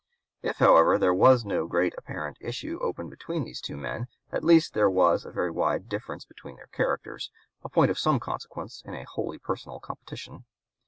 If, however, there was no great apparent issue open between these two men, at least there was a very wide difference between their characters, a point of some consequence in a wholly personal competition.